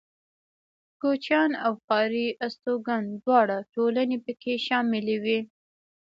کوچيان او ښاري استوگن دواړه ټولنې پکې شاملې وې.